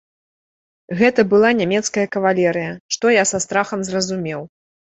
Гэта была нямецкая кавалерыя, што я са страхам зразумеў.